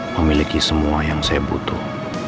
memiliki semua yang saya butuh